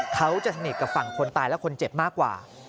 เขาจะสนิทกับฝั่งคนตายและคนเจ็บมากกว่า